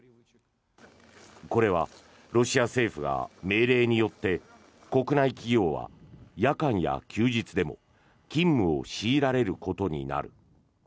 これはロシア政府が命令によって国内企業は夜間や休日でも勤務を強いられることになる。